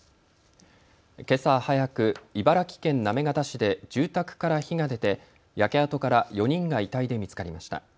けさ早く、茨城県行方市で住宅から火が出て焼け跡から４人が遺体で見つかりました。